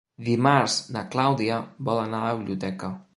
Dimarts na Clàudia vol anar a la biblioteca.